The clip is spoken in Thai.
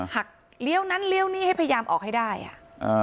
หักเลี้ยวนั้นเลี้ยวนี่ให้พยายามออกให้ได้อ่ะอ่า